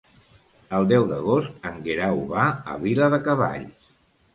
El deu d'agost en Guerau va a Viladecavalls.